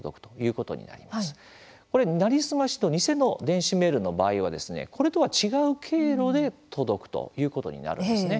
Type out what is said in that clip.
これ、なりすましと偽の電子メールの場合はこれとは違う経路で届くということになるんですね。